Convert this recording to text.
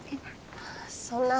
そんな。